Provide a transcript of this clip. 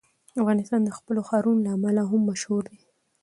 افغانستان د خپلو ښارونو له امله هم مشهور دی.